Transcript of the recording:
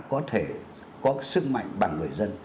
có thể có sức mạnh bằng người dân